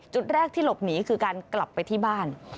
จุดแรกที่หลบหนีคือการกลับไปที่บ้าน